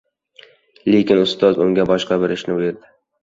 Lekin ustoz unga boshqa bir ishni buyurdi: